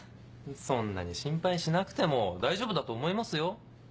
そんなに心配しなくても大丈夫だと思いますよ。